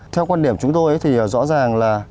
theo quan điểm chúng tôi thì rõ ràng là